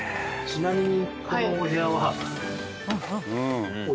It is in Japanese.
ちなみに。